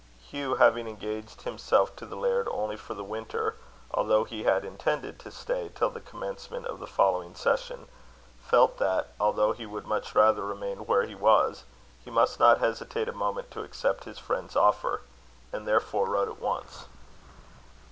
Hugh having engaged himself to the laird only for the winter, although he had intended to stay till the commencement of the following session, felt that, although he would much rather remain where he was, he must not hesitate a moment to accept his friend's offer; and therefore wrote at once.